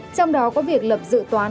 trong đó có việc lập dự toán